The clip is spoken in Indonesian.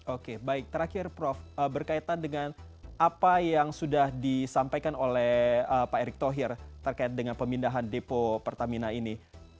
oke baik terakhir prof berkaitan dengan apa yang sudah disampaikan oleh pak erick thohir terkait dengan pemindahan depo pertamina ini